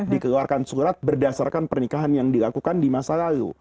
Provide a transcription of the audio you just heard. dikeluarkan surat berdasarkan pernikahan yang dilakukan di masa lalu